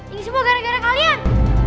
ini semua gara gara kalian